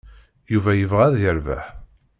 Yuba yebɣa ad yerbeḥ.